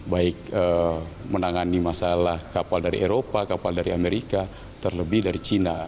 baik menangani masalah kapal dari eropa kapal dari amerika terlebih dari cina